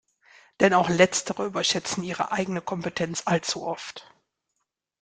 Denn auch letztere überschätzen ihre eigene Kompetenz allzu oft.